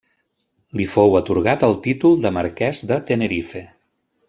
Li fou atorgat el títol de Marquès de Tenerife.